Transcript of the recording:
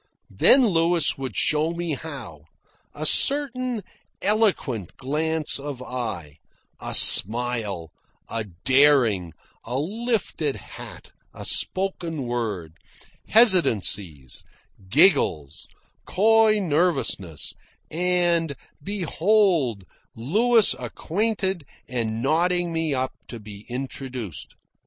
Then Louis would show me how a certain, eloquent glance of eye, a smile, a daring, a lifted hat, a spoken word, hesitancies, giggles, coy nervousnesses and, behold, Louis acquainted and nodding me up to be introduced.